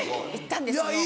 行ったんですよ。